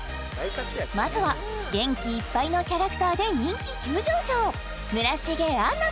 まずは元気いっぱいのキャラクターで人気急上昇